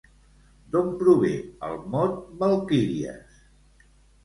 D'on prové el mot valquíries?